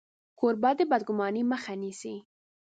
کوربه د بدګمانۍ مخه نیسي.